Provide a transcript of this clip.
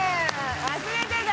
忘れてた！